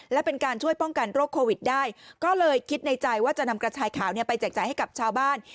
และเป็นการช่วยป้องกันโรคโควิดได้ก็เลยคิดในใจว่าจะนำกระชายขาวไปแจกจ่ายให้กับชาวบ้าน